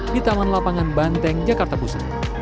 di taman lapangan banteng jakarta pusat